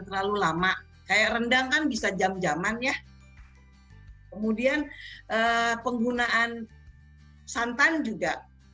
terlalu lama kayak rendang kan bisa jam jaman ya kemudian penggunaan santan juga